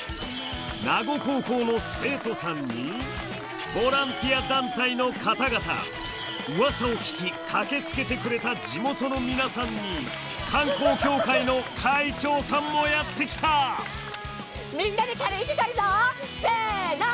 名護高校の生徒さんにボランティア団体の方々うわさを聞き駆けつけてくれた地元のみなさんに観光協会の会長さんもやって来た！せの！